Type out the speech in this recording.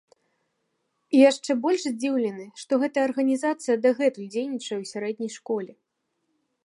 І яшчэ больш здзіўлены, што гэтая арганізацыя дагэтуль дзейнічае ў сярэдняй школе.